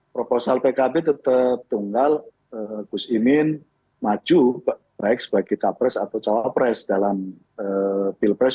proposal pkb tetap tunggal gus imin maju baik sebagai capres atau cawapres dalam pilpres dua ribu sembilan